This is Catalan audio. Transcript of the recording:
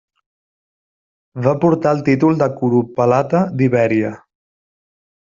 Va portar el títol de curopalata d'Ibèria.